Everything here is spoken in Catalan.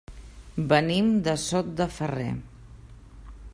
Venim de Sot de Ferrer.